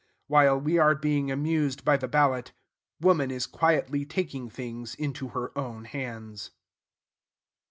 While we are being amused by the ballot, woman is quietly taking things into her own hands.